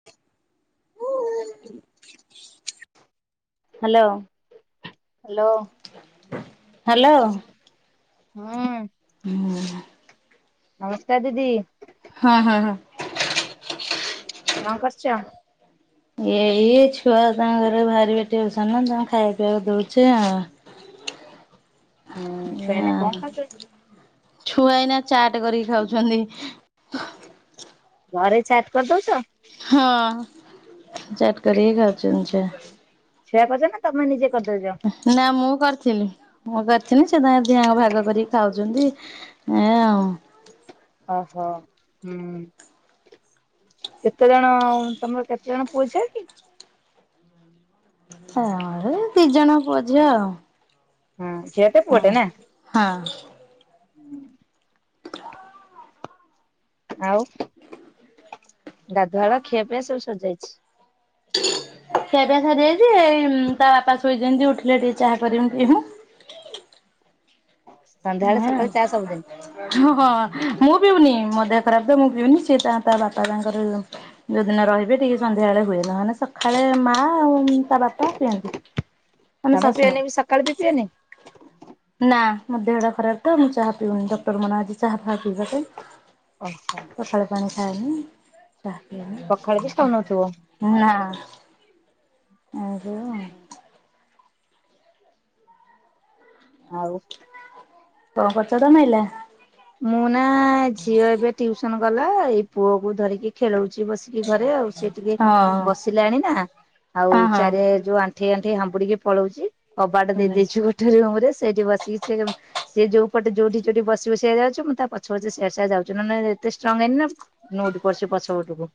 [inaudible] Hello. Hello. ହୁଁ। ହୁଁ। ନମସ୍ତ ଦିଦି। ହଁ ହଁ ହଁ। କଁ କର୍ଚ। ଏଇ ଛୁଆ ତାଙ୍କର ବାହାରିବେ ଟ୍ୟୁସନ୍ ତାଙ୍କୁ ଖାଇବା ପିଇଆକୁ ଦଉଛି ଆଉ। [inaudible] ଛୁଆମାନେ କଣ ଉଁ ଖାଉଛନ୍ତି? ଛୁଆ ଏଇନା ଚାଟ୍ କରି କି ଖାଉଛନ୍ତି। ଘରେ ଚାଟ୍ କର୍ଦଉଚ। ହଁ। ଚାଟ୍ କରିକି ଘର ଚଳୁଚି। ଛୁଆ କର୍ଚନି ନା ତମେ ନିଜେ କର୍ଦଉଚ। ନା ମୁଁ କର୍ଥିଲି ମୁଁ କରିଥିନି ସେ ତାଙ୍କର ଦି ଜଣ ଯାକ ଭାଗ କରିକି ଖାଉଚନ୍ତି। [unintelligible] ଓହୋ। ହୁଁ। କେତେ ଜଣ? ତମର କେତେ ଜଣ ପୁଅ, ଝିଅ କି? ହଁ ଏଇ ଦି ଜଣ ପୁଅ, ଝିଅ ଆଉ। ହଁ। ଝିଅଟେ, ପୁଅଟେ ହଁ। ନା। ହଁ। ଆଉ ଗାଧୁଆଳ ଖିଅ, ପିଆ ସବୁ ସର୍ଯାଇଛି। ଖିଆପିଆ ସରି ଯାଇଛି। ଏଇ ତା ବାପା ଶୋଇଚନ୍ତି ଉଠିଲେ ଟିକେ ଚାହା କରିମୁ ପିଇମୁ। ସନ୍ଧ୍ୟାଳେ ସକାଳେ ଚା ସବୁଦିନ। ହଁ ହଁ ମୁଁ ପିଉନି। ମୋ ଦେହ ଖରାପ ଏବେ। ମୁଁ ପିଉନି ସିଏ ତା ତା ବାପା ତାଙ୍କର ଯୋଉଦିନ ରହିବେ ଟିକେ ସନ୍ଧ୍ୟାଳେ ହୁଏ। ନ ହେଲେ ସଖାଳେ ମା ଆଉ ତା ବାପା ପିଅନ୍ତି। ମାନେ ତମେ ଶାଶୁ ମା। ପିଅନି ବି ସକାଳେ ବି ପିଅନି। ନା ମୋ ଦେହଟା ଖରାପ୍ ତ ମୁଁ ଚହା ପିଉନି। ଡକ୍ଟର ମାନା କରିଚି ଚହା ଫାହା ପିଇବାକୁ। ଓହୋ। ପାଣି ଖାଇନି। ପଖାଳ ଚାହା ବି ଖାଉନଥିବ? ପିଏନି। ନା। ଆଉ ସବୁ କଣ? ଆଉ। କଣ କର୍ଚ। [unintelligible] ମୁଁ ନା ଝିଅ ଏବେ ଟିଉସନ୍ ଗଲା। ଏଇ ପୁଅକୁ ଧରିକି ଖେଳଉଛି ବସି। ଟିକେ ଘରେ ଆଉ। ସିଏ ଟିକେ ହଁ ବସିଲାଣି ନା। ଆଉ ହଁ ହଁ। ଚାରି ଯୋଉ ଆଣ୍ଠେଇ ଆଣ୍ଠେଇ ହମ୍ବୁଡିକି ପଳଉଛି। କବାଟା ଦେଇେ ହୁଁ। ଦେଇଛୁ। [unintelligible] ରୁମରେ ସେଇଠି ବସିକି ସେ ସେ ଯୋଉ ପଟେ ଯୋଉଠି ଯୋଉଠି ବସି ବସି ସିଏ ଯାଉଚି ମୁଁ ତା ପଛ ପଛେ ସିଆଡେ ସିଆଡେ ଯାଉଛି ନନେ ଏତେ ଷ୍ଟ୍ରଙ୍ଗ ହେଇନି ନା। ନଉଟି ପଡ଼ିଚି ପଛପଟକୁ।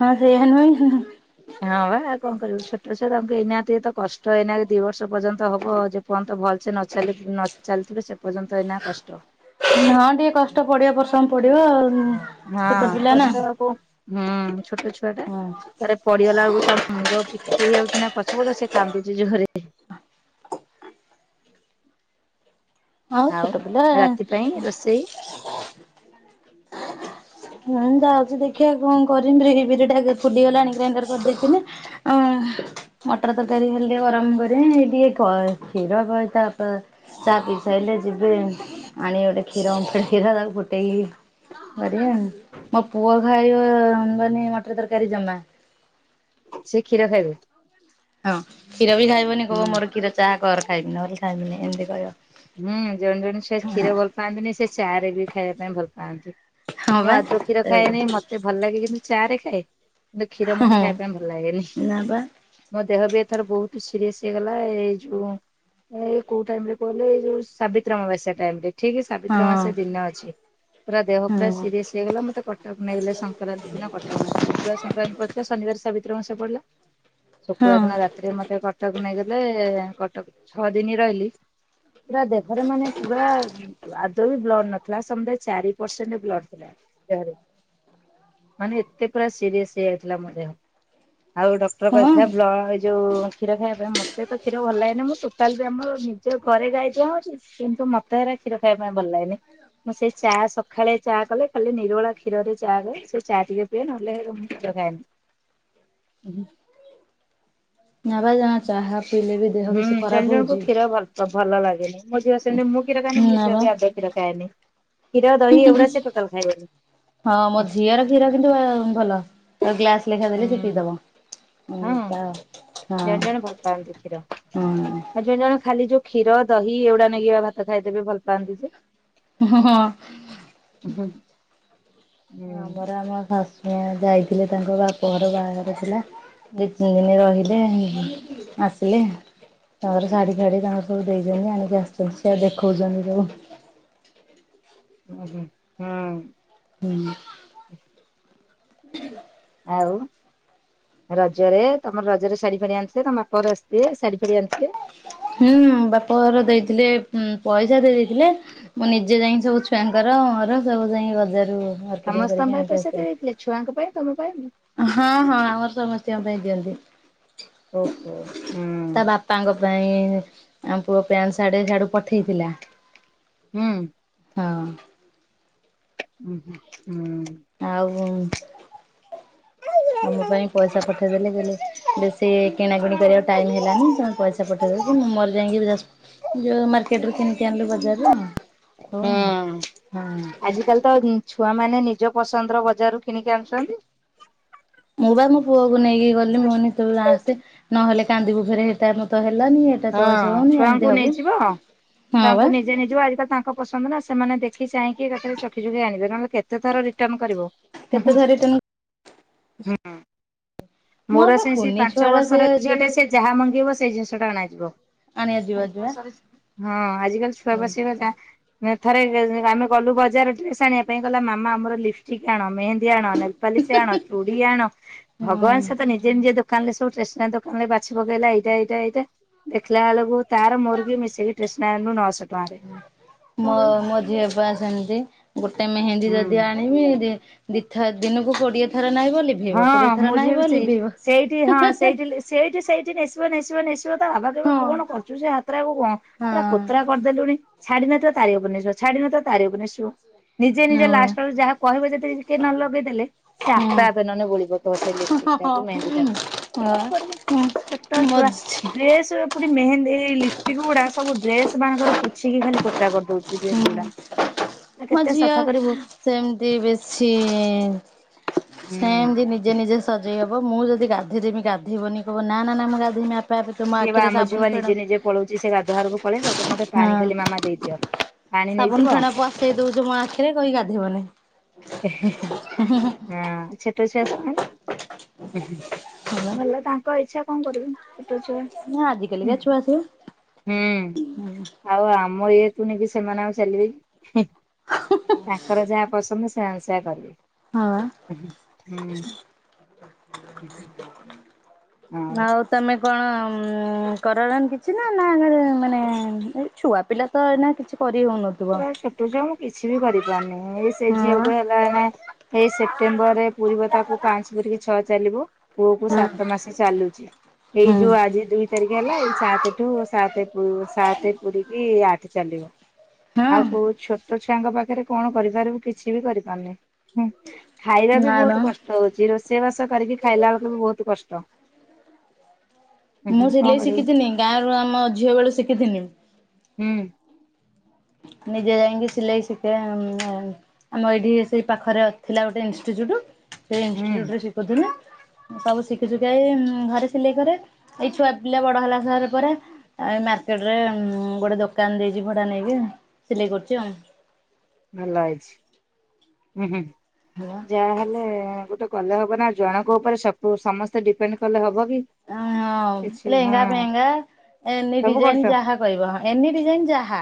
ହଁ ସେଇଆ ନୁହେଁ ହଁ ବା ଆଉ କଣ କରିବୁ ଛୋଟ ଛୁଆ ତାଙ୍କୁ ଏଇନା ତି ତ କଷ୍ଟ ଏଇନା ଦି ବର୍ଷ ପର୍ଯ୍ୟନ୍ତ ହବ ଯେ। ବନ୍ତ ଭଲସେ ନ ଚାଲି ନ ଚାଲିଥିଲେ ସେ ପର୍ଯ୍ୟନ୍ତ ଏଇନା କଷ୍ଟ। ହଁ ଟିକେ କଷ୍ଟ ପଡିବ ବର୍ସମ ପଡିବ ଆଉ। ଛୋଟ ହଁ ପିଲା ନା କଷ୍ଟ ହେ କୁ ହୁଁ ଛୋଟ ଛୁଆ ଟା। ହଁ। ତାରେ ପଡିଗଲା ବେଳୁ ତା ମୁଣ୍ଡ ପିଟି ହଉଚିନା ପଛପଟ ସେ କାନ୍ଦୁଚି ଯୋହରେ। ହଉ ଆଉ। ଛୋଟପିଲା ରାତି [unintelligible] ପାଇଁ ରୋଷେଇ ହୁଁ ଯାଉଚି ଦେଖିଆ କଣ କରମିି ବିରି ବରିଟା ଆଗେ ଫୁଲି ଗଲାଣି ଗ୍ରାଇଣ୍ଡର। କରିଦେଇଥିନେ ଆ ଉଁ। ମଟର ତରକାରୀ ହେଲି ଟି ଗରମ କରିମି ଟିଏ କ କ୍ଷୀର କ ତାପ ଚା ପିଇମି। ସାଇଲେ ଯିବେ ଆଣିବେ ଗୋଟେ କ୍ଷୀର ଓମ୍ଫେଡ କ୍ଷୀର ତାକୁ ଫୁଟେଇ। କରିବା ମୋ ପୁଅ ଖାଇବ ବନି ମଟର ତରକାରୀ ଜମା। ସେ କ୍ଷୀର ଖାଇବେ। ହଁ କ୍ଷୀରବି ଖାଇବନି ହୁଁ। କହିବ ମୋର କ୍ଷୀର ଚାହା କର ଖାଇମି ନହେଲେ ଖାଇମିନି। ହୁଁ ଜଣେ ଜଣେ ସେ କ୍ଷୀର ଭଲ ପାଆନ୍ତିନି ସେ ଚା ରେ ବି ଖାଇବା ପାଇଁ ଭଲ ପାଆନ୍ତି। ହଁ ମୁଁ ବା ଆଦୌ କ୍ଷୀର ଖାଏନି ମତେ ଭଲ ଲାଗେ କିନ୍ତୁ ଚା ରେ ଖାଏ। କି କ୍ଷୀର ମତେ ହଁ ଖାଇବା ପାଇଁ ଭଲ ଲାଗେନି। ନା ବା ମୋ ଦେହ ବି ଏଥର ବହୁତ ସିରିଏସ ହେଇଗଲା ଏଇ ଯୋଉ ଏ କଉ ଟାଇମ୍ ରେ କହିଲେ ଏଇ ଯଉ ସାବିତ୍ରୀଅମାବାସ୍ୟା ଟାଇମ ରେ ଠିକ୍ ହଁ ସାବିତ୍ରୀଅମାବାସ୍ୟା ଦିନ ଅଛି। ପୁରା ଦେହ ପୁରା ହଁ ସିରିଏସ ହେଇଗଲା ମତେ କଟକ ନେଇଗଲେ ସଂକ୍ରାନ୍ତି ଦିନ କଟକ ନେଲେ ସୁ ପୁରା ସଂକ୍ରାନ୍ତି ପଡିଥିଲା ଶନିବାର ସାବିତ୍ରି ଅମାବାସ୍ୟା ପଡିଲା। ଶୁକ୍ରବାର ହଁ ଦିନ ରାତିରେ ମତେ କଟକ ନେଇଗଲେ କଟକ ଛଅ ଦିନି ରହିଲି। ପୁରା ଦେହରେ ମାନେ ପୁରା। ଆଦୌ ବି ବ୍ଲଡ ନଥିଲା ସମୁଦାଏ ଚାରି ପରସେଣ୍ଟ ବ୍ଲଡ ଥିଲା ଦେହରେ। ମାନେ ଏତେ ପୁରା ସିରିଏସ ହେଇଯାଇଥିଲା ମୋ ଦେହ। ଆଉ ଡକ୍ଟର ହଁ କହିଥିଲା ବ୍ଲ ଏଇ ଯୋଉ କ୍ଷୀର ଖାଇବା ପାଇଁ ମତେ ତ କ୍ଷୀର ଭଲ ଲାଗେନି ମୁଁ ଟୋଟାଲ। ତେ ଆମ ନିଜ ଘରେ ଗାଈ ଦୁହାଁ ହଉଚି କିନ୍ତୁ ମ ମତେ ହେରା କ୍ଷୀର ଖାଇବା ପାଇଁ ଭଲ ଲାଗେନି ମୁଁ ସେଇ ଚା ସକାଳେ ଚା କଲେ ଖାଲି ନିରୋଳା। କ୍ଷୀରରେ ଚା ହୁଏ ସେ ଚା ଟିକେ ପିଏ ନହେଲେ ଉ କ୍ଷୀର ଖାଏନି ହୁଁ। ନା ବା ଜମା ଚାହା ପିଇଲେ ବି ଦେହ ବେଶୀ ଖରାପ ହଉଚି। ତ ଭଲ ଲାଗେନି ମୋ ଝିଅ ସେମିତି ମୁଁ ଖୀର ଖାଏନି ହୁଁ ମୁଁ ନା ଝିଅ ବା। ବି ଆଦୌ କ୍ଷୀର ଖାଏନି। କ୍ଷୀର ଦହି ଏଉଡା ସେ ଟୋଟାଲ ହଁ ମୋ ଖାଇବନି। ଝିଅର କ୍ଷୀର କିନ୍ତୁ ଭଲ ପୁରା ଗ୍ଲାସ। ପଇସା ଦେଲେ ସେ ହୁଁ ପିଇଦବ ହୁଁ ତା ସେ ହଁ। ଭଲ ପାଆନ୍ତି କ୍ଷୀର। ହଁ। ଆଉ ଜଣ ଜଣ ଖାଲି ଯୋଉ କ୍ଷର ଦହି ଏଗୁଡା ନେଇକି ଭାତ ଖାଇଦେବେ ଭଲ ପାଆନ୍ତି ସେ। ହଁ ହଁ। ହୁଁ। ଆମର ଆମ ଶାଶୁ ମା ଯାଇଥିଲେ ତାଙ୍କ ବାପ ଘର ବାହାଘର ଥିଲା। ଦି ତିନି ଦିନି ରହିଲେ ଆସିଲେ। ତାଙ୍କର ଶାଢୀ ଫାଢୀ ତାଙ୍କର ସବୁ ଦେଇଚନ୍ତି ଆଣିକି ଆସିଚନ୍ତି ଦେଖଉଛନ୍ତି ସବୁ। ହୁଁ ହୁଁ। ହୁଁ। [unintelligible] ଆଉ ରଜରେ ତମ ରଜରେ ଶାଢୀ ଫାଡି ଆଣିଥିଲେ ତମ ବାପଘର ଆସିଥିବେ ଶାଢୀ ଫାଡି ଆଣିଥିଲେ? ହୁଁ ବାପାଘର ଦେଇଥିଲେ ପଇସା ଦେଇ ଦେଇଦେଇଥିଲେ। ମୁଁ ନିଜେ ଯାଇ ସବୁ ଛୁଆଙ୍କର ମୋର ସବୁ ଯାଇ ବଜାରୁ ସମସ୍ତଙ୍କ ପାଇଁ ପଇସା ଦେଇ ଦେଇଥିଲେ ଛୁଆଙ୍କ ପାଇଁ ତମ ପାଇଁ ହଁ ହଁ ଆମର ସମସ୍ତିଙ୍କ ପାଇଁ ଦିଅନ୍ତି। ଓହୋ ହୁଁ, ତାଙ୍କ ପାଇଁ ଆମ ପୁଅ ପ୍ୟାଣ୍ଟ ର୍ସାଟ ସିଆଡୁ ପଠେଇଥିଲା। ହୁଁ। ହଁ। ହୁଁ ହୁଁ ହୁଁ, ଆଉ ତମ ପାଇଁ ପଇସା ପଠେଇଦେଲେ କହିଲେ ବେଶୀ କିଣାକିଣି କରିବାକୁ ଟାଇମ ହେଲାନି ତାର ପଇସା ପଠେଇଦଉଛନ୍ତି ମୁଁ ମୋର ଯାଇକି ଯ ଯୋଉ ମାର୍କେଟ ରୁ କିଣିକି ଆଣିଲୁ ବଜାରରୁ ହଁ, ହୁଁ ଆଜିକାଲି ତ ଛୁଆ ମାନେ ନିଜ ପସନ୍ଦର ବଜାର ରୁ କିଣିକି ଆଣୁଛନ୍ତି। ମୁଁ ବା ମୋ ପୁଅକୁ ନେଇକି ଗଲି ମୁଁ କହିନି ତୁ ଆସେ ନହେଲେ କାନ୍ଦିବୁ ଫେରେ ହେ ଏଟା ମତେ ହେଲାନି ଏଇଟା ହଁ ଚଏସ୍ ହଉନି ଏମିତି ହବୁ ହଁ ବା। ଯେ ନେଇଯିବ ଆଜିକାଲ ତାଙ୍କ ପସନ୍ଦ ନା ସେମାନେ ଦେଖ ଖି ଚାଁହିକି ଏକା ଥରେ ଚଖି ଚଖି ଆଣିବେ ନହେଲେ କେତେ ଥର ରିଟନ୍ କରିବୁ ଉଁ କେତେ ହୁଁ। ଧରି ଟେନି ଝ ଆଁ। ମୋର ବା ସେ ସେ କୁନି ପାଞ୍ଚ ଛୁଆ ଟା ସେ ବର୍ଷର ଝିଅଟେ ସେ ଯାହା ମଗେଇବ ସେଇ ଜିନିଷ ଟା ଅଣାଯିବ ଆଣିବା ଯିବା ଯିବା ବର୍ଷାରେ ହଁ ଆଜିକାଲି ଛୁଆବସିବା ଗାଁ ଥରେ ଆମେ ଗଲୁ ବଜାର ଡ୍ରେସ ଆଣିବା ପାଇଁ ଗଲା ମାମା ଆମର ଲିପଷ୍ଟିକ୍ ଆଣ ମେହେନ୍ଦୀ ଆଣ, ନେଲପାଲିସ୍ ଆଣ, ଚୁଡି ଆଣ ହଁ ଭଗବାନ ସେତ ନିଜେ ନିଜେ ଦୋକାନ ରେ ସବୁ ଟେସନାରୀ ଦୋକା ନରେ ବାଛି ପକେଇଲା ଏଇଟା ଏଇଟା ଏଇଟା ଦେଖିଲା ବେଳକୁ ତାର ମୋରିକି ମିଶିକି ଟ୍ରେସନୁ ନସ ମୋ ମୋ ଝିଅପା ସେମିତି ଗୋଟେ ମେହେନ୍ଦୀ ଯଦି ଆଣିବି ହୁଁ। ଦି ଥ ଦିନକୁ କୋଡିଏ ଥର ନାଇଁବ ଲିପ ହଁ ମୋ ଝିଅ ବି ସେଇ ସେଇଠି ହଁ ସେଇଠି ଲିପ୍ ସେଇଠି ସେଇଠି ନେଶିବ ନେଶିବ ନେଶିବ ତା ବାବା କହିବ ହଁ କଣ କରୁଛୁ ସେ ହାତଟା କଣ ହଁ ପୁରା କୋତରା କରିଦେଲୁଣି ଛାଡି ନଥିବ ତାରି ଓପରେ ନେସିବ ଛାଡି ନ ଥିବ ତାରି ଓପରେ ନେସିବ, ନିଜେ ନିଜେ ହଁ ବା ଲାଷ୍ଟ ବେଳକୁ ଯାହାକୁ କହିବ ଯେଦି କିଏ ନ ଲଗେଇଦେଲେ ସେ ଆ ହଁ ଆପେ ଆପେ ନହେନେ ବୋଳି ପକେଇବ ସେ ଲପିଷ୍ଟିକ୍ ଟାକୁ ମେହେନ୍ଦୀ ଟାକୁ କଣ କରିବ ଛୋଟ ହଁ ମୋ ଛୁଆ। ଝି ଡ୍ରେସ୍ ଅରା ପୁଣି ମେହେନ୍ଦି ଏଇ ଲିପଷ୍ଟିକ ଗୁଡ଼ା ସବୁ ଡ୍ରେସ ମାନଙ୍କରେ ପୋଛିକି ଖାଲି କୋତରା କରିଦଉ ହଁ ମୋ ଝିଅ ସଫା କରିବୁ ସେମିତି ବେଶୀ ହୁଁ। ସେମତି ନି ନିଜେ ନିଜେ ସଜେଇ ହବ ମୁଁ ଯଦି ଗାଧୋଇ ଦେମି ଗାଧେଇବନି କଇବ ନା ନା ମୁଁ ଗାଧେଇମି ଆପେ ଆପେ ତୁ ମୋ ସିଏ ବା ଆଖିରେ ଆମ ଝିଅ ବା ସାବୁନ ନିଜେ ଫେଣ ନିଜେ ପଳଉଛି ସେ ଗାଧୁଆଘରକୁ ପଳେଇବ କ ମୋତେ ହଁ ପାଣି ଖାଲି ମାମା ଦେଇଦିଅ ପାଣି ନେଇଯିବ କେଇ ଦୋଉଚୁ ମୋ ଆଖିରେ କହିକି ଗାଧେଇବନି। ଏ ହେ ହେ ହଁ ଛୋଟ ଛୁଆ ସେମାନେ, ହୁଁ। ହେଲା। ଭଲ ତାଙ୍କ ଇଛା କଣ କରିବୁ। ଛୋଟ ଛୁଆ ନା ଆଜିକାଲିକା ଛୁଆ ସିଏ ହୁଁ। ଆଉ ଆମ ଇଏକୁ ନେଇକି ସେମାନେ ଆଉ ଚାଲିବେକି ହୁଁ। ହଁହଁହଁ ତାଙ୍କର ଯାହା ପସନ୍ଦ ସେମାନେ ସେୟା କରିବେ। ହଁ ବା। ହୁଁହୁଁ, ହୁଁ ଉଁହୁଁ। ଆଉ ତମେ କଣ-ଉଁ-ଉଁ-ଉଁ କରନା କିଛି ନା, ନା ଖାଲି ମାନେ ଏ ଛୁଆ ପିଲା ତ ଏଇନା କିଛି କରି ହଉନ ପୁରା ଛୋଟ ଛୁଆ ମୁଁ କିଛି ବି କରି ପାରୁନି, ଏଇ ସେଇ ହଁ ଝିଅକୁ ହେଲା ଏଇନା ଏଇ ସେପ୍ଟେମ୍ବରରେ ପୁରିବ ତାକୁ ପାଞ୍ଚ ପୁରିକି ଛଅ ଚାଲିବ। ପୁଅକୁ ହଁ ସାତ ମାସେ ଚାଲୁଚି, ଏଇ ହଁ ଯୋଉ ଆଜି ଦୁଇ ତାରିଖ ହେଲା ଏଇ ସାତେଠୁ ସାତେ ସାତେ ପୁରିକି ଆଠ ଚାଲିବ। ହଁ ଆଉ କୋଉ ଛୋଟ ଛୁଆଙ୍କ ପାଖରେ କଣ କରିପାରିବୁ କିଛି ବି କରିପାରୁନି, ହୁଁ। ଖାଇବା ବି ବହୁତ ମ୍ୟାଡ଼ାମ କଷ୍ଟ ହଉଚି, ରୋଷେଇବାସ କରିକି ଖାଇଲା ବେଳକୁ ବି ବହୁତ କଷ୍ଟ। ହୁଁ ମୁଁ ହୁଁ କଣ ସିଲେଇ କରିବୁ ଶିଖିଥିନି ଗାଁରୁ ଆମ ଝିଅ ବେଳୁ ଶିଖିିଥିନି। ହୁଁ। ନିଜେ ଯାଇକି ସିଲେଇ ଶିଖେ ଉମ୍- ଉମ୍ ଆମ ଏଇଠି ସେଇ ପାଖରେ ଥିଲା ଗୋଟେ ଇନଷ୍ଟଚ୍ୟୁଟ୍, ସେଇ ହୁଁ ଇନଷ୍ଟଚ୍ୟୁଟରେ ଶିଖୁଥିନି। ସବୁ ଶିଖୁଶିଖାକି ଘରେ ସିଲେଇ କରେ ଏଇ ଛୁଆ ପିଲା ବଡ଼ ହେଲା ପରେ ପରେ ଆଉ ଏ ମାର୍କେଟରେ-ଏ-ଏ ଗୋଟେ ଦୋକାନ ଦେଇଚି ଭଡ଼ା ନେଇକି, ସିଲେଇ କରୁଚି ଆଉ। ଭଲ ହେଇଛି, ଉଁହୁଁ ଯାହାହେଲେ ଗୋଟେ କଲେ ହବ ନା, ଆଉ ଜଣଙ୍କ ଉପରେ ସବୁ ସମସ୍ତେ ଡିପେଣ୍ଡ କଲେ ହବ କି। କିଛି ହଁଅ-ଅ ଲେହେଙ୍ଗା ହଁ ଫେହେଙ୍ଗା ଏନି ସବୁ ଡିଜାଇନ୍ କରୁଛ ଯାହା କହିବ ହଁ ଏନି ଡିଜାଇନ୍ ଯାହା।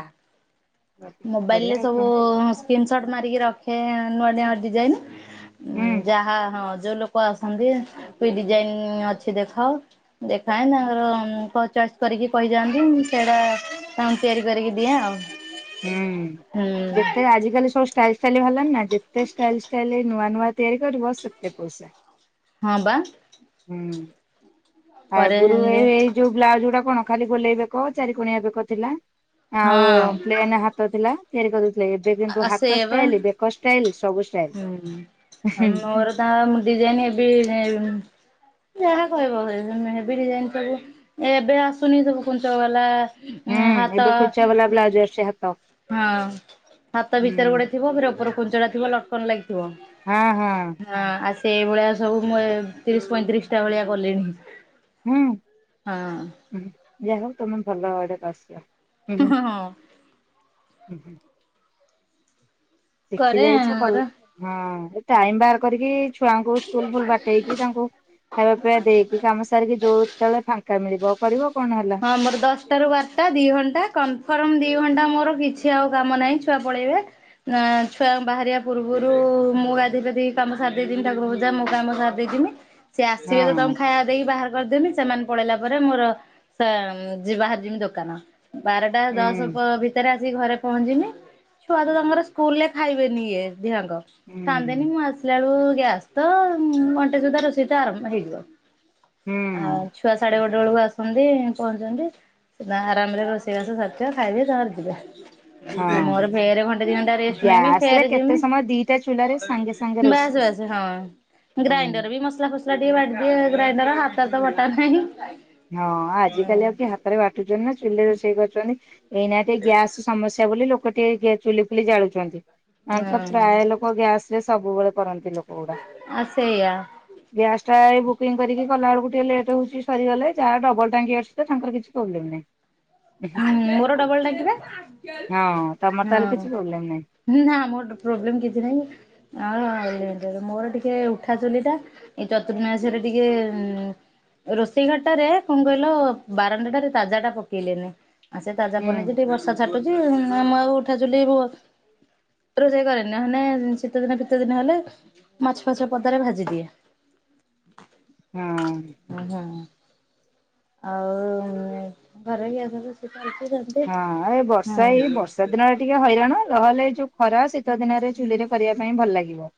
ମୋବାଇଲ୍ ବଢିଆ ରେ ଆଉ ସବୁ କଣ ସ୍କ୍ରିନ୍ ସଟ୍ ମାରିକି ରଖେ ନୂଆ ନୂଆ ଡିଜାଇନ୍। ହୁଁ ଉଁ ଯାହା ହଁ ଯୋଉ ଲୋକ ଆସନ୍ତି କି ଡିଜାଇନ୍ ଅଛି ଦେଖ। ଦେଖାଏ ନହେଲେ କଣ ଚଏସ୍ କରିକି କହିଯାଆନ୍ତି ମୁଁ ସେଇଟା ତାଙ୍କୁ ତିଆରି କରିକି ଦିଏ ଆଉ। ହୁଁ, ହୁଁ ଯେତେ ଆଜିକାଲି ସବୁ ଷ୍ଟାଇଲ ଷ୍ଟାଇଲ ବାହାରିଲାଣି ନା, ଯେତେ ଷ୍ଟାଇଲ ଷ୍ଟାଇଲ ନୂଆ ନୂଆ ତିଆରି କରିବ ସେତେ ପଇସା। ହଁ ବା। ହୁଁ କରେ ଆଗୁରୁ ଏଇ ଏଇ ସେମିତି ଯୋଉ ବ୍ଲାଉଜ୍ ଗୁଡ଼ା କଣ ଖାଲି ଗୋଲେଇ ବେକ ଚାରି କୋଣିଆ ବେକ ଥିଲା, ଆଉ-ଉ-ଉ ହଁ ପ୍ଲେନ୍ ହା ତ ଥିଲା। ତିଆରି କରି ଦଉଥିଲେ ଏବେ କିନ୍ତୁ ଆ ହାତ ସେଇଆ ବା ଷ୍ଟାଇଲ, ବେକ ଷ୍ଟାଇଲ ସବୁ ଷ୍ଟାଇଲ, ହୁଁ। ଆଉ ହୁଁ। ମୋର ତା ଡିଜାଇନ୍ ଏବେ ଯା କହିବ [inaudible] ହେବି ଡିଜାଇନ୍ ସବୁ, ଏବେ ଆସୁନି ସବୁ କୁଞ୍ଚବାଲା ଉଁ ହାତ ଉଁ ଞ୍ଚି ‌ହାତ ହଁ, ହାତ ଭିତରେ ଗୋଟେ ଥିବ ଫେରେ ଉପର କୁଞ୍ଚଟା ଥିବ ଲଟକନ୍ ଲାଗିଥିବ। ହଁ ହଁ। ହଁଅ, ଆ ସେଇ ଭଳିଆ ସବୁ ମୁଁ ଏ ତିରିଶ ପଇଁତିରିଶଟା ଭଳିଆ କଲିଣି। ହୁଁ, ହଁ ହୁଁ ହୁଁ ଯା ହଉ ତମେ ଭଲ ଆଡ଼େ [unintelligible] ହୁଁହୁଁ ହଁ ହୁଁହୁଁ। ଶିଖି କରେ ଯାଇଛ ଭଲ୍, ମୋର ହଁ ଏ ଟାଇମ ବାହାର କରିକି ଛୁଆଙ୍କୁ ସ୍କୁଲ୍ ଫୁଲ୍ ପଠେଇକି ତାଙ୍କୁ ଖାଇବା ପିଇବା ଦେଇକି କାମ ସାରିକି ଯୋଉତଳେ ଫାଙ୍କା ମିଳିବ କରିବ କଣ ହେଲା। ହଁ ମୋର ଦଶ। [unintelligible] ରୁ ବାରଟା ଦି ଘଣ୍ଟା କନଫର୍ମ ଦି ଘଣ୍ଟା ମୋର କିଛି ଆଉ କାମ ନାହିଁ ଛୁଆ ପଳେଇବେ। ନାଁ ଛୁଆଙ୍କୁ ବାହାରିବା ପୂର୍ବରୁ ମୁଁ ଗାଧେଇ ପାଧେଇ କାମ ସାରି ଦେଇଥିନି। ତାକୁର ଭୁଜା ମୋ କାମ ସାରିଦେଇଥିମି ସିଏ ଆସିବେ ତମ ହଁ। ଖାଇବା ଦେଇକି ବାହାର କରିଦେମି ସେମାନେ ପଳେଇଲା ପରେ ମୋର ତା ଜ ବାହାରି ଯମି ଦୋକାନ। ବାରଟା ହୁଁ ଦଶ ପ ଭି ସେତେରେ ଆସିି ଘରେ ପହଞ୍ଚିବି ଛୁଆ ତ ତାଙ୍କର ସ୍କୁଲ ରେ ଖାଇବେନି ଇଏ ଦିହାଙ୍କ। କାନ୍ଦେନି ହୁଁ ମୁଁ ଆସିଲା ବେଳକୁ ଗ୍ୟାସ୍ ତ ଘଣ୍ଟେ ସୁଧା ରୋଷେଇ ତ ଆରମ୍ଭ ହେଇଯିବ। ଆଉ ହୁଁ ଛୁଆ ସାଢେ ଗୋ ଦୋଳକୁ ଆସନ୍ତି ପହଞ୍ଚନ୍ତି ନା ଆରାମରେ ରୋଷେଇ ବାସ ସରିଦିଅ ଖାଇବେ ତାଙ୍କର ଯିବେ। ମୋର ହଁ। ଫେରେ ଘଣ୍ଟେ ଦି ଘଣ୍ଟା ରେଷ୍ଟ ନେମି ଗ୍ୟାସ ରେ ଫେରେ କେତେ ଯିମି। ସମୟ ଦିଟା ଚୁଲାରେ ସାଙ୍ଗେ ସାଙ୍ଗେ ବାସ ରୋଷେଇ ବାସ ହଁ। ହୁଁ। ଗ୍ରାଇଣ୍ଡର ବି ମସଲା ଫସଲା ଟିକେ ବାଟିଦିଏ ଗ୍ରାଇଣ୍ଡର ହାତରେ ତ ବଟା ନାହିଁ। ହଁ ହଁ ଆଜିକାଲି ଆଉ କି ହାତରେ ବାଟୁଛନ୍ତି ନା ଚୁଲି ରୋଷେଇ କରୁଛନ୍ତି ଏଇନା କେ ଗ୍ୟାସ। ସମସ୍ୟା ବୋଲି ଲୋକ ଟିକେ ଗେ ଚୁଲି ଫୁଲି ଜାଳୁଛନ୍ତି ହଁ ତ ପ୍ରାୟ ଲୋକ ମୋ ଗ୍ୟାସ ରେ ସବୁବେଳେ କରନ୍ତି ଲୋ ଆ ସେଇଆ। ଗ୍ୟାସ୍ ଟା ଏଇ ବୁକିଂ କରିକି କଲା ବେଳକୁ ଟିକେ ଲେଟ୍ ହଉଛି ସରିଗଲେ। ଯାହା ଡବଲ ଟାଙ୍କି ଆସଛି ତ ତାଙ୍କର କିଛି ପ୍ରୋବ୍ଲେମ ନାହିଁ। ମୋର ଡବଲ ଟାଙ୍କି ହଁ ପା ତମର ତାହେଲେ କିଛି ପ୍ରୋବ୍ଲେମ ନାହିଁ ହଁ। ନା ମୋର ପ୍ରୋବ୍ଲେମ କିଛି ନାହିଁ ଆ ଆଉ ମୋର ଟିକେ ଉଠା ଚୁଲିଟା। ଏଇ ଚତୁରମାସିଆରେ ଟିକେ ରୋଷେଇ ଘରଟାରେ କଣ କହିଲ ବାରଣ୍ଡାରେ ତାଜାଟା ପକେଇଲେନି। ଆ ସେ ତାଜା ହୁଁ। ପଡିନି ଯଦି ବର୍ଷା ଛାଟୁଚି ମୁଁ ଆଉ ଉଠା ଚୁଲି ରୋସେଇ କରେନି ନ ହନେ ଶୀତ ଦିନ ଭିତରେ ନ ହନେ ମାଛ ଫାଚ ପଦାରେ ଭାଜି ଦିଏ। ହଁ। ହୁଁ ହୁଁ। ଆଉ ଘରେ କି ଅଛନ୍ତି [unintelligible] ହଁ ଏ ବର୍ଷା ଏଇ ବର୍ଷା ଦିନରେ ଟିକେ ହଇରାଣ ନ ହେଲେ ଏଇ ଯୋଉ ଖରା ଶୀତ ଦିନରେ ଚୁଲିରେ କରିବା ପାଇଁ ଭଲ ଲାଗିବ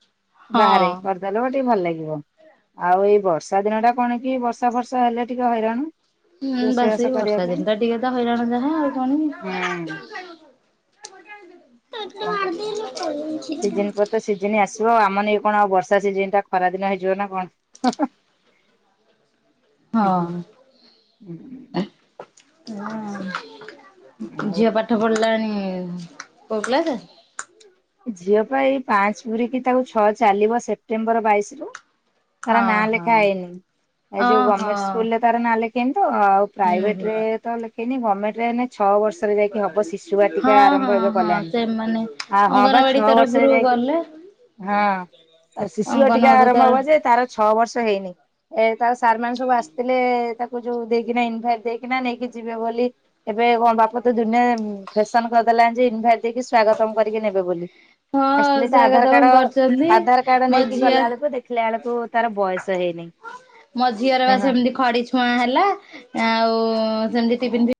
ହଁ। ବାହାରେ। ଡାଲମା ଟିକେ ଭଲ ଲାଗିବ ଆଉ ଏଇ ବର୍ଷା ଦିନଟା କଣ କି ବର୍ଷା ଫର୍ଷା ହେଲେ ଟିକେ ହଇରାଣ। ହୁଁ ବାସ ରୋଷେଇବାସ ଏଇ କରିବା ବର୍ଷା ପାଇଁ। ଦିନ ଟା ଟିକେ ହଇରାଣ ଯାହା ଆଉ କଣ ହୁଁ କିି ଆଉ କଣ କରିବା। ଏତେ [unintelligible] କିଛି ସିଜନ ପରେ ତ ସିଜିନି ଆସିବ ଆମ ନାକି କଣ ଆଉ ବର୍ଷା ସିଜନ ଟା ଖରା ଦିନ ହେଇଯିବ ନା କଣ। ହଁ ହଁ [inaudible] ହୁଁ। ହଁ। ଆଉ ଝିଅ ପାଠ ପଢିଲାଣି କୋଉ କ୍ଲାସେ? ଝିଅ ପା ଏ ପାଞ୍ଚ ପୁରୀକି ତାକୁ ଛଅ ଚାଲିବ ସେପ୍ଟେମ୍ବର ବାଇଶରୁ। ତାର ନାଁ ଓହୋ ଲେଖା ହେଇନି ଏ ଯୋଉ ଓହୋ ଗମେଣ୍ଟ ସ୍କୁଲରେ ତାର ନା ଲେଖେଇନି ତ ଆଉ ହୁଁ ପ୍ରାଇଭେଟ ହୁଁ ରେ ତ ଲେଖେଇନି ଗମେଣ୍ଟ ରେ ହେନେ ଛଅ ବର୍ଷରେ ଯାଇକି ହବ ଶିଶୁ ଭାଟିକା ହଁ ଆରମ୍ଭ ହଁ ଏବେ ହଁ କଲ୍ୟା ସେମାନେ ଆ ହଁ। ବା ଅଙ୍ଗନବାଡି ଛଅ ବର୍ଷ ହେ ତରଫରୁ ଯାଇକି ଗଲେ ହଁ ଆ ଶିଶୁ ଭାଟିକା ଅଙ୍ଗନବାଡି ଆରମ୍ଭ ତାର ହବ ଯେ ତାର ଛଅ ବର୍ଷ ହେଇନି। ଏ ତା ସାର୍ ମାନ ସବୁ ଆସିଥିଲେ ତାକୁ ଯୋଉ ଦେଇକିନା ଇନଭାଇଟ ଦେଇକିନା ନେଇକି ଯିବେ ବୋଲି। ଏବେ କଣ ବାପା ତ ଦୁନିଆ ଫେସନ କରିଦେଲାଣି ଯେ ଇନଭାଇଟ ଦେଇକି ସ୍ଵାଗତମ କରିକି ନେବେ ବୋଲି। ହଁ ଆସଥିଲେ ତ ସେ ଆଧାର କଥା ମୁଁ କାର୍ଡ କରିଛନ୍ତି ଆଧାର କାର୍ଡ ମୋ ନେଇକି ଝିଅ ଗଲା ବେଳକୁ ଦେଖିଲା ବେଳକୁ ତାର ବୟସ ହେଇନି। ମୋ ଝିଅର ବା ହଁ। ସେମିତି ଖଡି ଛୁଆଁ ହେଲା ଆଉ ସେମିତି ଟିପିନ୍